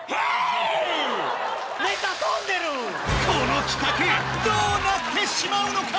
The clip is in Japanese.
この企画どうなってしまうのか